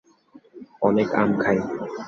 অনেক আম খাই।